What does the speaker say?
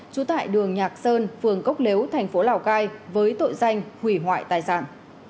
trú tại đường nhạc sơn phường cốc lếu thành phố lào cai với tội danh hủy hoại tài sản